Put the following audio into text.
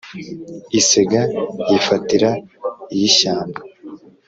isega yifatira iy'ishyamba